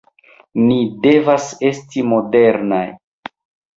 Ni devas esti modernaj!